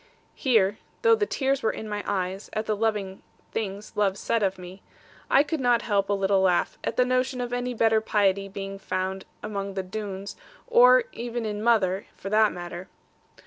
Here, though the tears were in my eyes, at the loving things love said of me, I could not help a little laugh at the notion of any bitter piety being found among the Doones, or even in mother, for that matter.